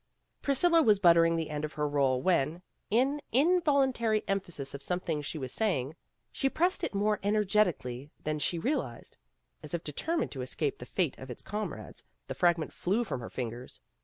Priscilla was buttering the end of her roll when, in involuntary emphasis of something she was saying, she pressed it more energetically than she realized. As if determined to escape the fate of its comrades, the fragment flew from her fingers.